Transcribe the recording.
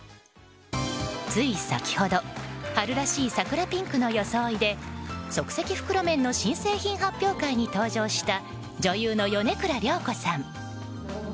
つい先ほど春らしい桜ピンクの装いで即席袋麺の新製品発表会に登場した女優の米倉涼子さん。